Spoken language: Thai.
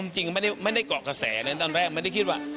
จริงไม่ได้เกาะกระแสเลยตอนแรกไม่ได้คิดว่า